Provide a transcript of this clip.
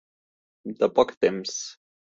De poc temps.